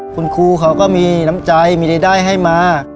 คุณครูเขาก็มีน้ำใจมีรายได้ให้มา